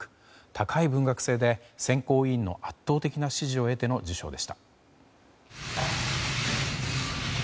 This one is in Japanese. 高い文学性で選考委員の圧倒的な支持を得ての受賞でした。